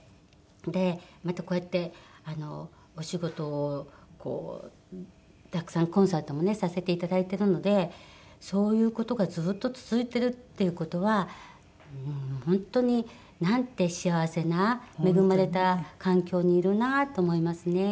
でまたこうやってお仕事をこうたくさんコンサートもねさせていただいてるのでそういう事がずっと続いてるっていう事はうーん本当になんて幸せな恵まれた環境にいるなと思いますね。